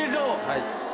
はい。